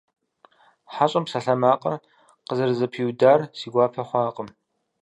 ХьэщӀэм псалъэмакъыр къызэрызэпиудар си гуапэ хъуакъым.